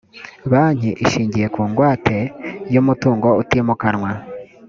banki ishingiye ku ngwate y umutungo utimukanwa